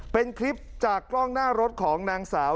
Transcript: เป็นคลิปจากกล้องหน้ารถของนางสาว